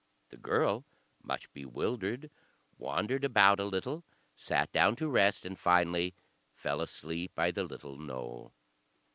The girl, much bewildered, wandered about a little, sat down to rest, and finally fell asleep by the little knoll.